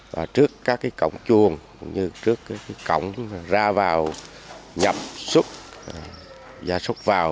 và trước các cổng chuồng như trước cổng ra vào nhập xúc ra xúc vào